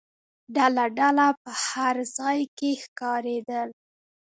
ډله ډله په هر ځای کې ښکارېدل.